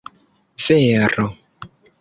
vero